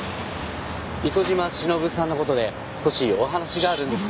磯島忍さんの事で少しお話があるんですが。